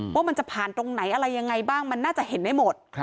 ว่ามันจะผ่านตรงไหนอะไรยังไงบ้างมันน่าจะเห็นได้หมด